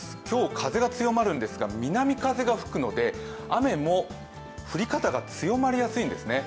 今日、風が強まるんですが南風が吹くので雨も降り方強まりやすいんです。